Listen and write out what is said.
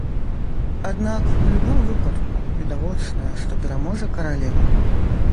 Аднак у любым выпадку відавочна, што пераможа каралева.